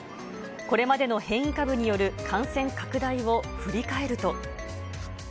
これまでの変異株による感染拡大を振り返ると。